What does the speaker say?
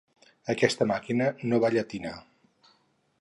Aquesta màquina no va llatina.